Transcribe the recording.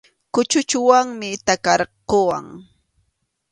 Kuchuchunwanmi takarquwan.